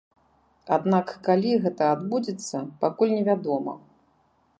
Аднак калі гэта адбудзецца, пакуль невядома.